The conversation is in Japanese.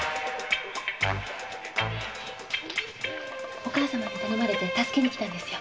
お母様に頼まれて助けに来たんですよ。